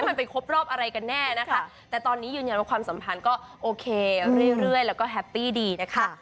มันไปครบรอบอะไรกันแน่นะคะแต่ตอนนี้ยืนยันว่าความสัมพันธ์ก็โอเคเรื่อยแล้วก็แฮปปี้ดีนะคะ